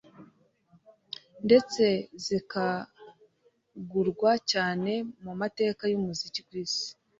ndetse zikagurwa cyane mu mateka y'umuziki ku isi